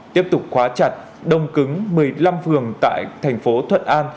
tiếp tục khóa chặt đông cứng một mươi năm phường tại thành phố thuận an